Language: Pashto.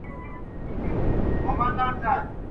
لکه سلګۍ درته راغلی یم پایل نه یمه ..